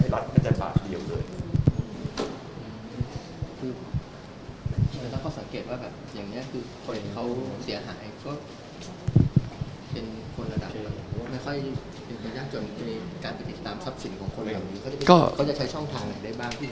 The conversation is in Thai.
อเจมส์คุณต้องเข้าสังเกตว่าแบบอย่างเนี้ยคือคนเห็นเขาเสียหายก็เป็นคนระดับไม่ค่อยเป็นบรรยากจนมีการติดตามทรัพย์สินของคนเหล่านี้เขาจะใช้ช่องทางไหนได้บ้าง